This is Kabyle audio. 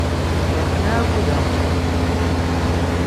Ha-ten-a akk da.